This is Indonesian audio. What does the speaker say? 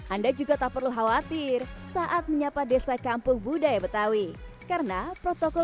anda juga tak perlu khawatir saat menyapa desa kampung budaya betawi karena protokol